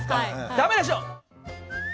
「ダメでしょ！」。